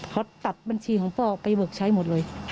เขาตัดบัญชีของพ่อไปเบิกใช้หมดเลย